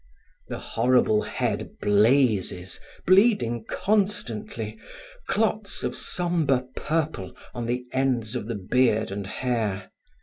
The horrible head blazes, bleeding constantly, clots of sombre purple on the ends of the beard and hair.